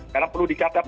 karena perlu dicatat